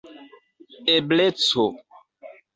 ebleco